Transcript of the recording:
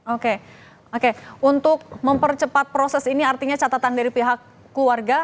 oke oke untuk mempercepat proses ini artinya catatan dari pihak keluarga